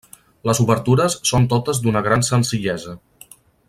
Les obertures són totes d'una gran senzillesa.